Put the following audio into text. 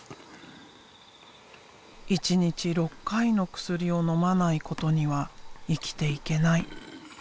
１日６回の薬をのまないことには生きていけない。